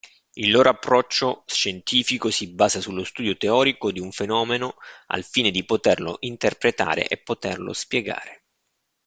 Il loro approccio scientifico si basa sullo studio teorico di un fenomeno al fine di poterlo interpretare e poterlo spiegare.